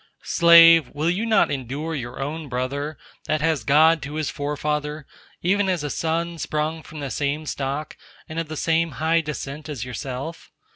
Slave, will you not endure your own brother, that has God to his forefather, even as a son sprung from the same stock, and of the same high descent as yourself?